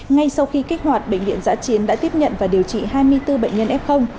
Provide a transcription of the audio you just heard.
ngay sau khi kích hoạt bệnh viện giã chiến đã tiếp nhận và điều trị hai mươi bốn bệnh nhân f